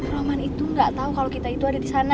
roman itu nggak tahu kalau kita itu ada di sana